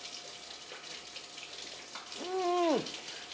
うん！